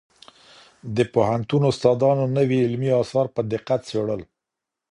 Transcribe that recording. د پوهنتون استادانو نوي علمي اثار په دقت څېړل.